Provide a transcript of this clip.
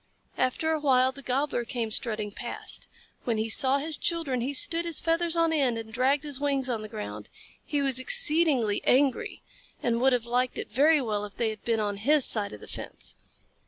After a while the Gobbler came strutting past. When he saw his children, he stood his feathers on end and dragged his wings on the ground. He was exceedingly angry, and would have liked it very well if they had been on his side of the fence.